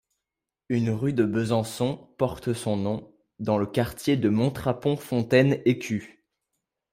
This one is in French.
Une rue de Besançon porte son nom, dans le quartier de Montrapon-Fontaine-Écu.